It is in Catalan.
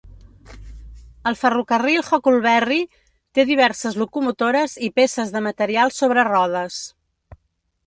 El ferrocarril Huckleberry té diverses locomotores i peces de material sobre rodes.